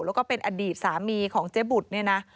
แล้วก็เป็นอดีตสามีของเจ๊บุตรเนี่ยนะ